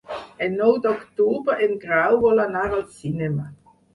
El nou d'octubre en Grau vol anar al cinema.